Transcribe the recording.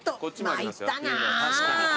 参ったな。